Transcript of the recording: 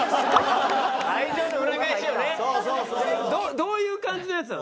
どういう感じのやつなの？